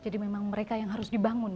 dia berusia dua belas tahun